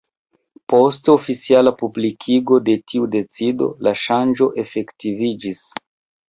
Post oficiala publikigo de tiu decido la ŝanĝo efektiviĝis.